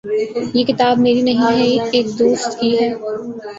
یہ کتاب میری نہیں ہے۔ ایک دوست کی ہے